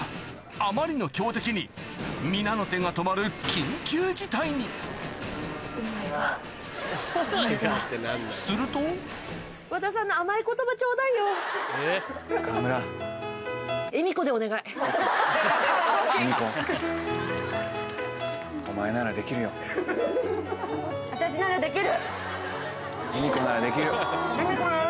あまりの強敵に皆の手が止まるするとエミコならできる。